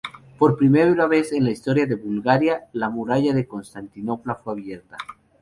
Por primera vez en la historia de Bulgaria, la muralla de Constantinopla fue abierta.